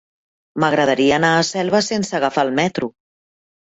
M'agradaria anar a Selva sense agafar el metro.